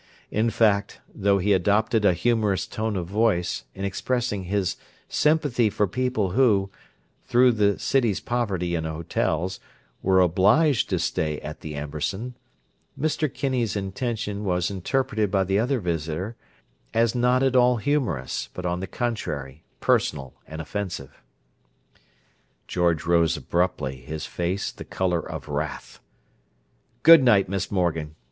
In fact, though he adopted a humorous tone of voice, in expressing his sympathy for people who, through the city's poverty in hotels, were obliged to stay at the Amberson, Mr. Kinney's intention was interpreted by the other visitor as not at all humorous, but, on the contrary, personal and offensive. George rose abruptly, his face the colour of wrath. "Good night, Miss Morgan.